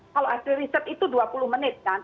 kalau hasil riset itu dua puluh menit kan